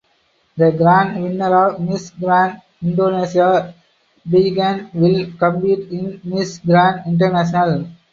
The Grand Winner of Miss Grand Indonesia pageant will compete in Miss Grand International.